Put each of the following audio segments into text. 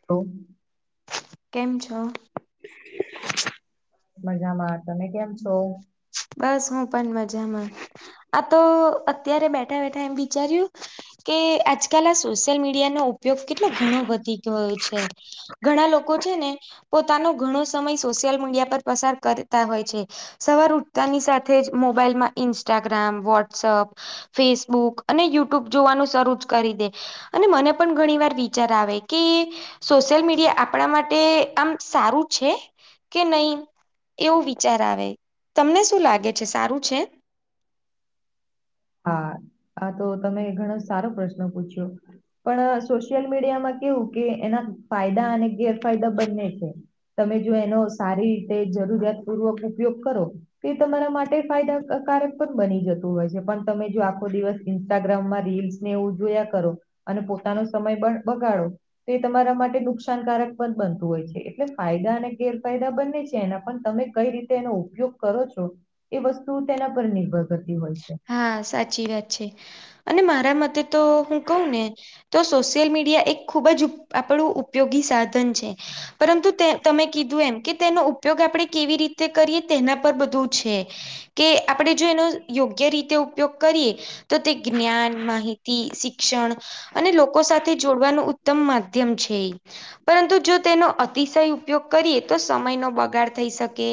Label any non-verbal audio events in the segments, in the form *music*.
*inaudible* કેમ છો? મજામાં, તમે કેમ છો? બસ હું પણ મજામાં. આ તો અત્યારે બેઠા બેઠા એમ વિ વિચાર્યું- કે, આજકાલ આ સોશિયલ મીડિયાનો ઉપયોગ કેટલો ઘણો વધી ગયો છે. ઘણાં લોકો છે ને- પોતાનો, ઘણો સમય સોશિયલ મીડિયા પર પસાર કરતા હોય છે. સવાર ઉઠ- -તાની સાથે જ, મોબાઈલમાં ઇન્સ્ટાગ્રામ વોટ્સઅપ- ફેસબુક અને યુટ્યુબ જોવાનું શરૂ જ કરી દે. અને મને પણ ઘણી વાર વિચાર આવે કે સોશિયલ મીડિયા આપણા માટે આમ સારું છે કે નહી? એવું વિચાર આવે તમને શું લાગે છે સારું છે? હા આ તો તમે ઘણો સારો પ્રશ્ન પૂછ્યો. પણ સોશિયલ મીડિયામાં કેવું કે એના ફાયદા અને ગેરફાયદા બંને છે. તમે જો એનો સારી રીતે જરૂરિયાત પૂર્વક ઉપયોગ કરો તે તમારા માટે ફાયદાકારક પણ બની જતું હોય છે પણ તમે જો આખો દિવસ ઇન્સ્ટાગ્રામમાં રીલ્સ ને એવું જોયા કરો અને પોતાનો સમય પણ બગાડો તો એ તમારા માટે નુકસાનકારક પણ બનતું હોય છે એટલે ફાયદા અને ગેરફાયદા બંને છે એના પણ તમે કઈ રીતે એનો ઉપયોગ કરો છો એ વસ્તુ તેના પર નિર્ભર થતી હોય છે. હા સાચી વાત છે અને મારા મતે તો હું કઉ ને તો સોશિયલ મીડિયા એક ખૂબ જ ઉપ આપણું ઉપયોગી સાધન છે. પરંતુ તે તમે કીધું એમ કે તેનો ઉપયોગ આપણે કેવી રીતે કરીએ તેના પર બધું છે કે આપણે જો એનો યોગ યોગ્ય રીતે ઉપયોગ કરીએ તો તે જ્ઞાન માહિતી શિક્ષણ અને લોકો સાથે જોડવાનું ઉત્તમ માધ્યમ છે ઈ. પરંતુ જો તેનો અતિશય ઉપયોગ કરીએ તો સમયનો બગાડ થઈ શકે.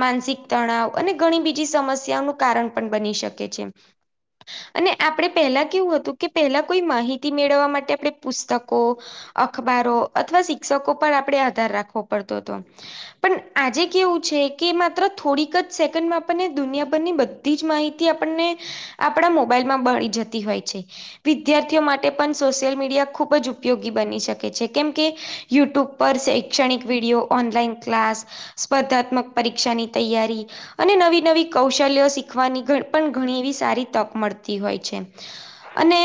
માનસિક તણાવ અને ઘણી બીજી સમસ્યાઓનું કારણ પણ બની શકે છે. અને આપણે પહેલા કેવું હતું કે પેલા કોઈ માહિતી મેળવવા માટે આપણે પુસ્તકો અખબારો અથવા શિક્ષકો પર આપણે આધાર રાખવો પડતો હતો. પણ આજે કેવું છે કે માત્ર થોડીક જ સેકન્ડમાં આપણને દુનિયાભરની બધી જ માહિતી તે આપણને આપણા મોબાઈલ માં મળી જતી હોય છે. વિદ્યાર્થીઓ માટે પણ સોશિયલ મીડિયા ખુબ જ ઉપયોગી બની શકે છે કેમ કે યુટ્યુબ પર શૈક્ષણિક વિડીયો ઓનલાઈન ક્લાસ સ્પર્ધાત્મક પરીક્ષાની તૈયારી અને નવી નવી કૌશલ્ય શીખવાની ઘ પણ ઘણી એવી સારી તક મળતી હોય છે. અને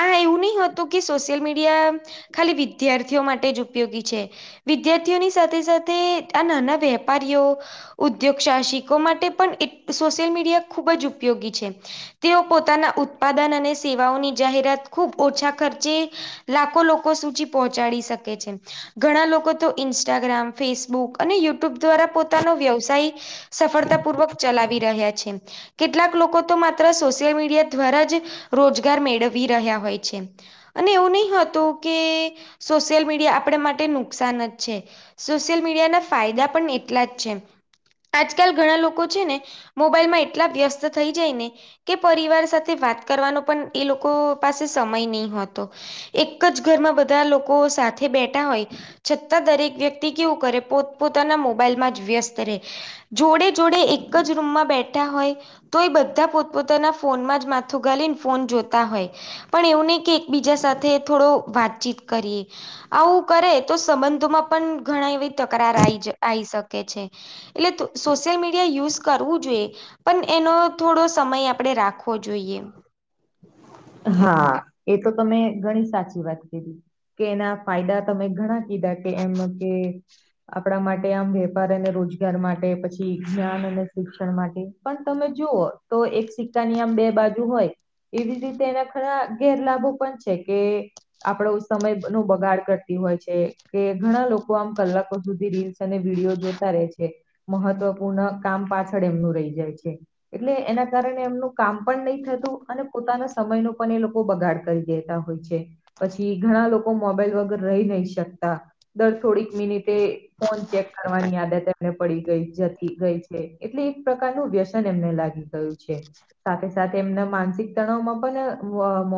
આ એવું ની હત તો કે સોશિયલ મીડિયા ખાલી વિદ્યાર્થીઓ માટે જ ઉપયોગી છે. વિદ્યાર્થીઓની સાથે સાથે આ નાના વેપારીઓ ઉદ્યોગ સાહસિકો માટે પણ એટ સોશિયલ મીડિયા ખુબ જ ઉપયોગી છે. તેઓ પોતાના ઉત્પાદન અને સેવાઓની જાહેરાત ખૂબ ઓછા ખર્ચે લાખો લોકો સુચી પહોંચાડી શકે છે. ઘણા લોકો તો ઇન્સ્ટાગ્રામ ફેસબુક અને યુટ્યુબ દ્વારા પોતાનો વ્યવસાય સફળતા પૂર્વક ચલાવી રહ્યા છે. કેટલાક લોકો તો માત્ર સોશિયલ મીડિયા દ્વારા જ રોજગાર મેળવી રહ્યા હોય છે. અને એવું નહી હોતું કે સોશિયલ મીડિયા આપણે માટે નુકસાન જ છે. સોશિયલ મીડિયાના ફાયદા પણ એટલા જ છે. આજકાલ ઘણા લોકો છે ને મોબાઈલ એટલા વ્યસ્ત થઈ જાય ને કે પરિવાર સાથે વાત કરવાનો પણ એ લોકો પાસે સમય નહીં હોતો. એક જ ઘરમાં બધા લોકો સાથે બેઠા હોય છતાં દરેક વ્યક્તિ કેવું કરે પોત પોતાના મોબાઈલમાં જ વ્યસ્ત રે જોડે જોડે એક જ રૂમમાં બેઠ ઠા હોય તો એ બધા પોતપોતાના ફોન માં જ માથુ ગાળીને ફોન જોતા હોય પણ એવું નહી કે એકબીજા સાથે થોડો વાતચીત કરીએ આવું કરે તો સંબંધોમાં પણ ઘણા એવી તકરાર આઇ જ આઈ શકે કે છે એટલે સોશિયલ મીડિયા યુઝ કરવું જોઈએ પણ એનો થોડો સમય આપણે રાખવો જોઈએ હા એ તો તમે ઘણી સાચી વાત કીધી કે એના ફાયદા તમે ઘણા કીધા કે એમ કે આપણા માટે આમ વેપાર અને રોજગાર માટે પછી જ્ઞાન અને શિક્ષણ માટે પણ તમે જુઓ તો એક સિક્કાની આમ બે બાજુ હોય એવી રીત તેના ગણા ગેરલાભો પણ છે કે આપણો સમય નું બગાડ કરતી હોય છે કે ઘણા લોકો આમ કલાકો સુધી રીલ્સ અને વિડીયો જોતા રહે છે મહત્વપૂર્ણ કામ પાછળ એમનું રહી જાય છે એટલે એના કારણે એમનું કામ પણ નહી થતું અને પોતાના સ સમયનું પણ એ લોકો બગાડ કરી દેતા હોય છે પછી ઘણા લોકો મોબાઈલ વગર રહી નહી શકતા દર થોડીક મિનિટે ફોન ચેક કરવાની આદત એમને પડી ગઈ જતી ગઈ છે એટલે એક પ્રકારનું વ્યસન એમને લાગી ગયું છે સાથે સાથે એમના માનસિક તણાવમાં અને વ મ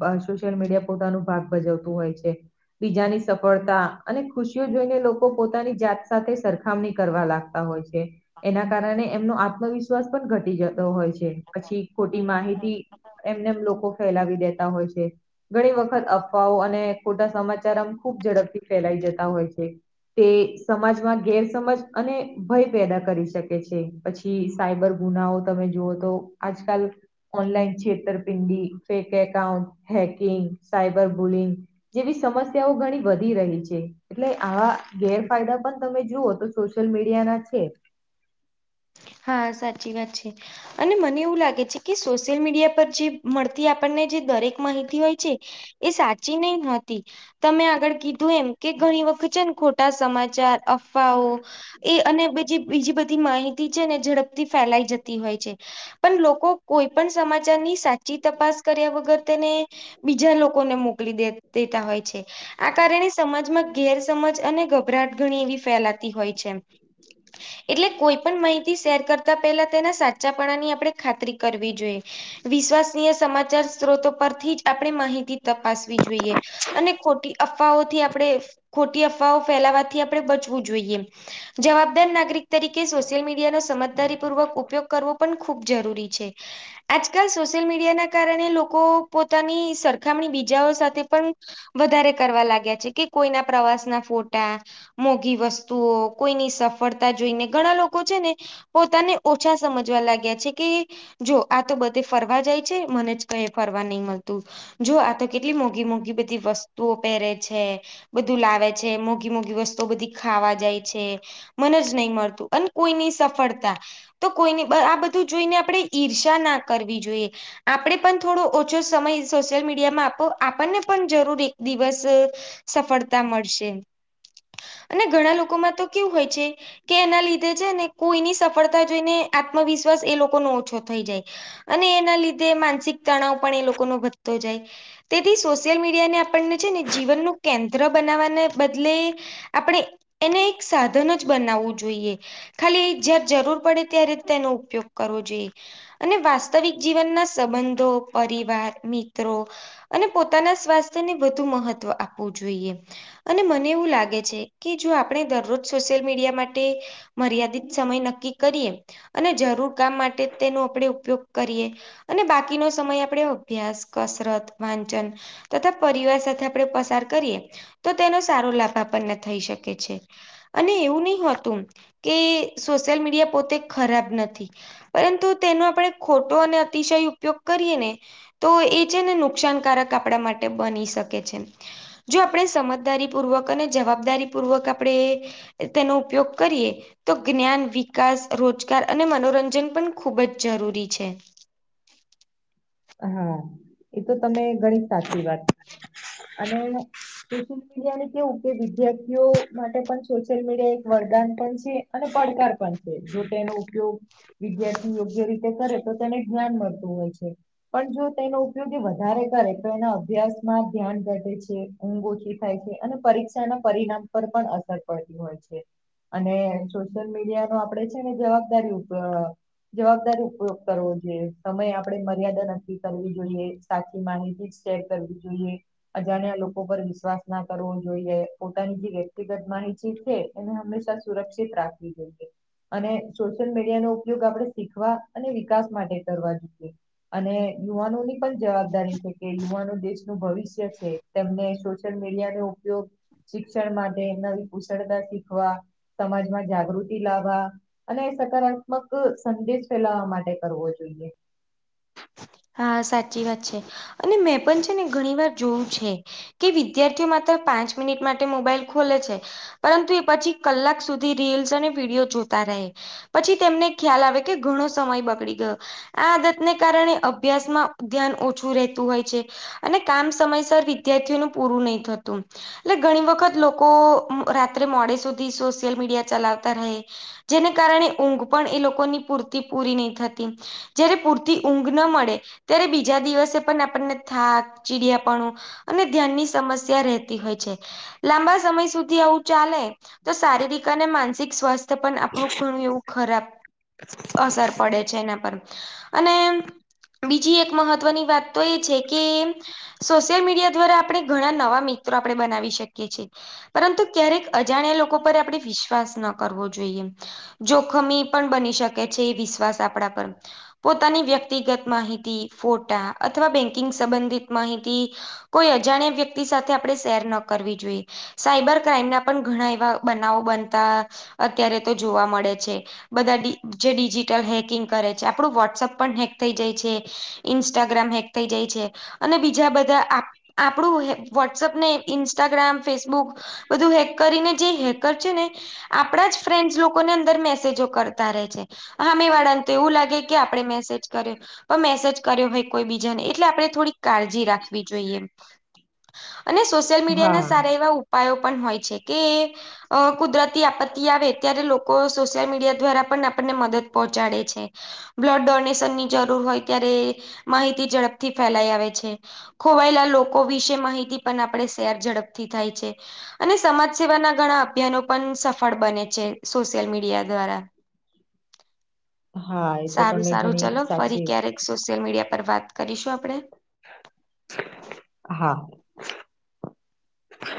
અ સોશિયલ મીડિયા પોતાનું ભાગ ભજવતું હોય છે બીજાની સફળતા અને ખુશીઓ જોઈને લોકો પોતાની જાત સાથે સરખામણી કરવા લાગતા હોય છે એ એના કારણે એમનો આત્મવિશ્વાસ પણ ઘટી જતો હોય છે પછી ખોટી માહિતી એમને એમ લોકો ફેલાવી દેતા હોય છે ઘણી વખત અફવાઓ અને ખોટા સમાચાર આમ ખુબ ઝડપથી ફેલાઈ જતા હોય છે તે સમાજમાં ગેરસમજ અને ભય પેદા કરી શકે છે પછી સાયબર ગુનાઓ તમે જોઓ તો આજકાલ ઓનલાઈન છેત તરપિંડી fake account hacking cyber bullying જેવી સમસ્યાઓ ઘણી વધી રહી છે એટલે આવા ગેરફાયદા પણ તમે જુઓ તો સોશિયલ મીડિયાના છે હા સાચી વાત છે અને મને એવું લાગે છે કે સોશિયલ મીડિયા પર જે મળતી આપણને જે દરેક માહિતી હોય છે એ સાચી નહી હોતી તમે આગળ કીધું એમ કે ઘણી વખત છે ને ખોટા સમાચાર અફવાઓ એ અને બીજી બીજી બધી માહિતી છે ને ઝડપથી ફેલાઈ જતી હોય છે પણ લોકો કોઈ પણ સમાચારની સાચી તપાસ કર્યા વગર તેને બીજા લોકોને મોકલી દે દેતા હોય છે આ કારણે સમાજમાં ગેરસમજ અને ગભરાટ ઘણી એવી ફેલાતી હોય છે એટલે કોઈ પણ માહિતી શેર કરતા પેલા તેના સાચાપણા ની આપણે ખાતરી કરવી જોઈએ વિશ્વાસનીય સમાચાર સ્ત્રોતો પરથી જ આપણે માહિતી તપાસવી જોઈએ અને ખોટી અફવાઓથી આપણે ખોટી અફવાઓ ફેલાવાથી આપણે બચવું જોઈએ જવાબદાર નાગરિક તરીકે સોશિયલ મીડિયાનો સમજદારી પૂર્વક ઉપયોગ કરવો પણ ખૂબ જરૂરી છે આજકાલ સોશિયલ મીડિયાના કારણે લોકો પોતાની સરખામણી બીજાઓ સાથે પણ વધારે કરવા લાગ્યા છે કે કોઈના પ્રવાસ ના ફોટા મોઘી વસ્તુઓ કોઈની સફળતા જોઈને ઘણા લોકો લોકો છે ને પોતાને ઓછા સમજવા લાગ્યા છે કે જો આ તો બધે ફરવા જાય છે મને જ કઈ ફરવા નહી મળતું જો આ તો કેટલી મોઘી મોઘી બધી વસ્તુઓ પહેરે છે. બધું લાવે છે મોઘી મોઘી વસ્તુઓ બધી ખાવા જાય છે મનેજ નહી મળતું અને કોઈની સફળતા તો કોઈની આ બધું જોઈને આપણે ઈર્ષા ના કરવી જોઈએ આપણે પણ થોડો ઓછો સમય સોશિયલ મીડિયામાં આપો આપણને પણ જરૂર એક દિવસ સફળતા મળશે અને ઘણા લોકોમાં તો કેવું હોય છે કે એના લીધે છે ને કોઈની સફળતા જોઈને આત્મવિશ્વાસ એ લોકો નો ઓછો થઈ જાય અને એના લીધે માનસિક તણાવ પણ એ લોકો નો વધતો જાય તેથી સોશિયલ મીડિયા ને આપણને છે ને જીવનનું કેન્દ્ર બનાવવાને બદલે આપણે એને એક સાધન જ બનાવવું જોઈએ ખાલી જ્યારે જરૂર પડે ત્યારે તેનો ઉપયોગ કરવો જોઈએ અને વાસ્તવિક જીવનના સંબંધો પરિવાર મિત્રો અને પોતાના સ્વાસ્થ્યને વધુ મહત્વ આપવું જોઈએ અને મને એવું લાગે છે કે જો આપણે દરરોજ સોશિયલ મીડિયા માટે મર્યાદિત સમય નક્કી કરીએ અને જરૂર કામ માટે તેનો આપણે ઉપયોગ કરીએ અને બાકીનો સમય આપડે અભ્યાસ કસરત વાંચન તથા પરિવાર સાથે આપણે પસાર કરીએ તો તેનો સારો લાભ આપણને થઈ શકે છે. અને એવું નય હોતું કે સોશિયલ મીડિયા પોતે ખરાબ નથી પરંતુ તેનો આપણે ખોટો અને અતિશય ઉપયોગ કરીએ ને તો એ છે ને નુકસાનકારક આપણા માટે બની શકે છે. જો આપણે સમજદારી પૂર્વક અને જવાબદારી પૂર્વક આપણે તેનો ઉપયોગ કરીએ તો જ્ઞાન વિકાસ રોજગાર અને મનોરંજન પણ ખૂબ જ જરૂરી છે. હા એતો તમે ઘણી સાચી વાત અને સોશિયલ મીડિયા ને કેવું કે વિદ્યાર્થીઓ માટે પણ સોશિયલ મીડિયા એક વરદાન પણ છે. અને પડકાર પણ છે જો તેનો ઉપયોગ વિદ્યાર્થી યોગ્ય રીતે કરે તો તેને જ્ઞાન મળતું હોય છે. પણ જો તેનો ઉપયોગ એ વધારે કરે તો એના અભ્યાસમાં ધ્યાન ઘટેે છે. ઊંઘ ઓછી થાય છે અને પરીક્ષાના પર પણ અસર પડતી હોય છે. અને સોશિયલ મીડિયા નો આપડે છે ને જવાબદારી ઉપર જવાબદારી ઉપયોગ કરવો જોઈએ સમય આપડે મર્યાદા કર જોઈએ સાચી માહિતી જ શેર કરવી જોઈએ અજાણ્યા લોકો પર વિશ્વાસ ના કરવો જોઈએ પોતાની જે વ્યક્તિગત માહિતી છે. એને હંમેશા સુરક્ષિત રાખવી જોઈએ અને સોશિયલ મીડિયા નો ઉપયોગ આપણે શીખવા અને વિકાસ માટે કરવા જોઈએ. અને યુવાનો ની પણ જવાબદારી છે કે યુવાનો દેશનું ભવિષ્ય છે તેમને સોશિયલ મીડિયાનું ઉપયોગ શિક્ષણ માટે નવી કુશળતા શીખવા સમાજમાં જાગૃતિ લાવા અને સકારાત્મક સંદેશ ફેલાવા માટે કરવો જોઈએ હા સાચી વાત છે અને મેં પણ છે ને ઘણી વાર જોયું છે. કે વિદ્યાર્થીઓ માત્ર પાંચ મિનિટ માટે મોબાઈલ ખોલે છે. પરંતુ એ પછી કલાક સુધી રીલ્સ અને વિડીયો જોતા રહે. પછી તેમને ખ્યાલ આવે કે ઘણો સમય બગડી ગયો આ આદતને કારણે અભ્યાસમાં ધ્યાન ઓછું રહેતું હોય છે અને કામ સમયસર વિદ્યાર્થીઓનું પૂરું નહી થતું. એટલે ઘણી વખત લોકો અ રાત્રે મોડે સુધી સોશિયલ મીડિયા ચલાવતા રહે જેને કારણે ઊંઘ પણ એલોકોની પૂરતી પૂરી નઈ થતી. જયારે પૂરતી ઊંઘ ન મળે ત્યારે બીજા દિવસે પન આપણને થાક, ચીડિયાપણું અને ધ્યાનની સમસ્યા રહેતી હોય છે લાંબા સમય સુધી આવું ચાલે તો શારીરિક અને માનસિક સ્વાસ્થ્ય પન આપણું ઘણું એવું ખરાબ અસર પડે છે એના પર અને બીજી એક મહત્વની વાત તો એ છે કે સોશિયલ મીડિયા દ્વારા આપ આપડે ઘણા નવા મિત્રો આપડે બનાવી શકીએ છીએ. પરંતુ ક્યારેક અજાણ્યા લોકો પર આપણે વિશ્વાસ ન કરવો જોઈએ. જોખમી પણ બની શકે છે એ વિશ્વાસ આપણા પર. પોતાની વ્યક્તિગત માહિત, ફોટા અથવા બેકિંગ સંબંધિત માહિતી કોઈ અજાણ્યા વ્યક્તિ સાથે આપણે શેર ન કરવી જોઈએ. સાયબર ક્રાઈમના પણ ઘણા એવા બનાવો બનતા અત્યારે તો જોવા મળે છે. બધા ડી જે ડિજિટલ હેકિંગ કરે છે, આપણું વોટ્સઅપ પણ હેક થઈ જાય છે, ઈન્સ્ટાગ્રામ હેક થઈ જાય છે અને બીજા બધા આપ આપણું હે વ્હોટસએપ ને ઈન્સ્ટાગ્રામ ને ફેસબુક બધું હેક કરીને જે હેકર છે ને આપણા જ ફ્રેન્ડસ લોકોને અંદર મેસેજો કરતા રહે છે હામે વાળને તો એવું લાગે કે આપડે મેસેજ કર્યો પણ મેસેજ કર્યો હોઈ કોઈ બીજાને એટલે આપણે થોડીક કાળજી રાખવી જોઈએ. અને સોશિયલ મીડિયાના સારા હા એવા ઉપાયો પણ હોય છે કે અ કુદરતી આપત્તિ આવે ત્યારે લોકો સોશિયલ મીડિયા દ્વારા પન આપણને મદદ પહોંચાડે છે. બ્લડ ડોનેશનની જરૂર હોય ત્યારે માહિતી ઝડપથી ફેલાઈ આવે છે. ખોવાયેલા લોકો વિશે માહિતી પણ આપણે શેર ઝડપથી થાય છે. અને સમાજ સેવાના ઘણા અભિયાનો પન સફળ બને છે સોશિયલ મીડિયા દ્વારા. *inaudible* હા, એ તો તમે ઘણી સાચી વાત દરેક સોશિયલ મીડિયા પર વાત કરીશું આપડે. હા.